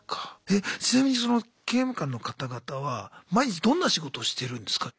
えちなみにその刑務官の方々は毎日どんな仕事をしてるんですか？